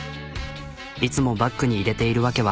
いつもバッグに入れている訳は。